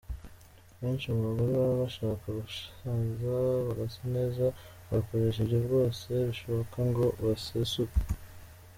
Benshi mu bagore baba bashaka gushaza bagasa neza, bagakoresha uburyo bwose bushoboka ngo basesuke.